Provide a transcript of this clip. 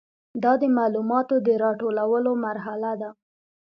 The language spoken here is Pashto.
دا د معلوماتو د راټولولو مرحله ده.